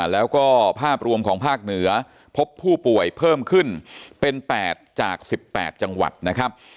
แล้วก็ภาพรวมของภาคเหนือพบผู้ป่วยเพิ่มขึ้นเป็น๘จาก๑๘จังหวัดนะครับ